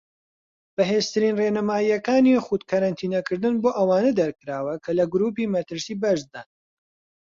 بەهێزترین ڕێنماییەکانی خود کەرەنتین کردن بۆ ئەوانە دەرکراوە کە لە گروپی مەترسی بەرزدان.